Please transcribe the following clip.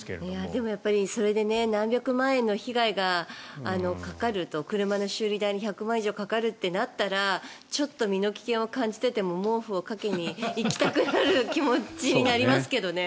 でも、それで何百万円の被害がかかると車の修理代に１００万円以上かかるってなったらちょっと身の危険を感じてでも毛布をかけに行きたくなる気持ちにもなりますけどね。